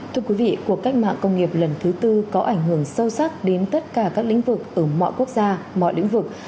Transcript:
thưa quý vị cuộc cách mạng công nghiệp lần thứ tư có ảnh hưởng sâu sắc đến tất cả các lĩnh vực ở mọi quốc gia mọi lĩnh vực